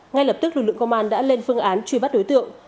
ngay lập tức lực lượng công an đã lên phương án truy bắt đối tượng